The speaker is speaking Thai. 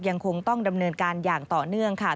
ยังคงต้องดำเนินการอย่างต่อเนื่องค่ะ